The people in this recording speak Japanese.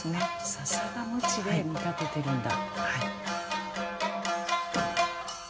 笹がムチで見立ててるんだ。